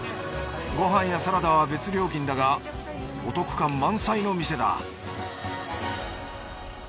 ごはんやサラダは別料金だがお得感満載の店だ